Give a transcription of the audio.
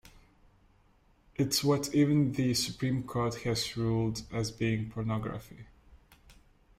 It's what even the Supreme Court has ruled as being pornographi.